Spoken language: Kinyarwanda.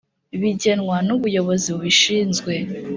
bigenwa n’ubuyobozi bubishinzwe